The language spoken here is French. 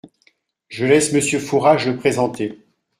Je laisse Monsieur Fourage le présenter.